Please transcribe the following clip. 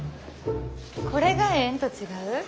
これがええんと違う？